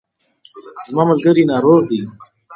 زما ملګری ناروغ دی